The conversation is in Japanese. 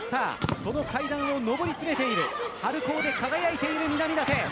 その階段を上り詰めている春高で輝いている南舘。